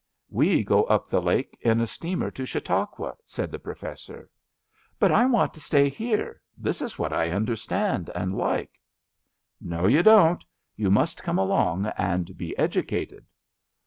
'' We go up the lake in a steamer to Chautau qua, '* said the Professor. ^' But I want to stay here. This is what I xmder stand and like. '''* No, you don't. You must come along and be educated.